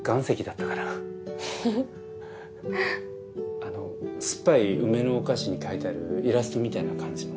あの酸っぱい梅のお菓子に描いてあるイラストみたいな感じの。